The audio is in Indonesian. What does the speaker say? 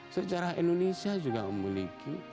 sejarah indonesia juga memiliki